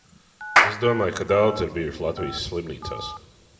Es domāju, ka daudzi ir bijuši Latvijas slimnīcās.